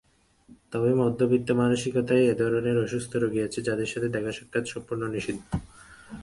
তবে মধ্যবিত্ত মানসিকতায় একধরনের অসুস্থ রুগী আছে, যাদের সঙ্গে দেখা-সাক্ষাৎ সম্পূর্ণ নিষিদ্ধ।